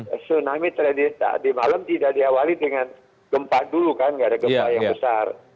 tsunami tradisi tadi malam tidak diawali dengan gempa dulu kan tidak ada gempa yang besar